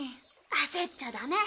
焦っちゃダメ。